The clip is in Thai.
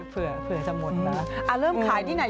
เผื่อจะหมดนะเริ่มขายที่ไหน